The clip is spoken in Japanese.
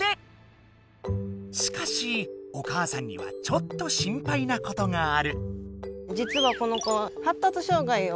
しかしお母さんにはちょっと心配なことがある。